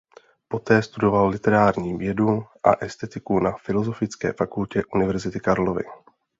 Poté studoval literární vědu a estetiku na filosofické fakultě Univerzity Karlovy.